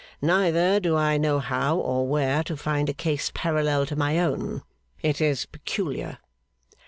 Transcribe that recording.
Neither do I know how, or where, to find a case parallel to my own. It is peculiar.